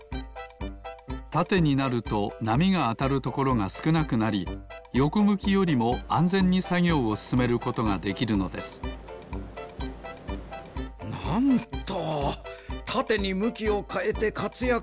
たてになるとなみがあたるところがすくなくなりよこむきよりもあんぜんにさぎょうをすすめることができるのですなんとたてにむきをかえてかつやくするふねがあるとはな。